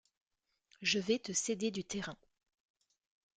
je vais te céder du terrain.